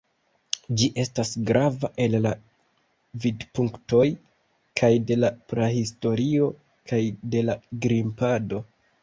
Ĝi estas grava el la vidpunktoj kaj de la prahistorio kaj de la grimpado.